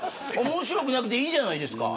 面白くなくていいじゃないですか。